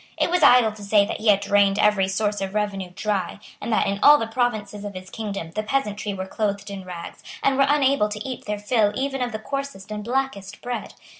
It was idle to say that he had drained every source of revenue dry, and that, in all the provinces of his kingdom, the peasantry were clothed in rags, and were unable to eat their fill even of the coarsest and blackest bread.